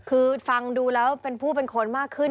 คือฟังดูแล้วเป็นผู้เป็นคนมากขึ้น